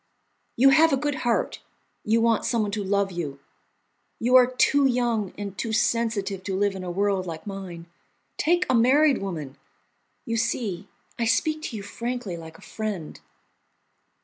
You have a good heart, you want someone to love you, you are too young and too sensitive to live in a world like mine. Take a married woman. You see, I speak to you frankly, like a friend."